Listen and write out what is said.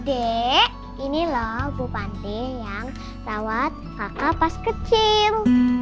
adek ini loh bu panti yang rawat kakak pas kecil